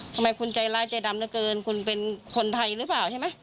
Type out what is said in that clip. ทำไมคุณใจร้ายใจดำเหลือเกินคุณเป็นคนไทยหรือเปล่าใช่ไหม